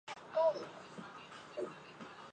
锯齿沙参为桔梗科沙参属的植物。